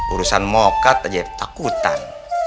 urusan mokad aja takutan